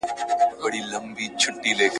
زه چی پلار وم قصابی لره روزلی ..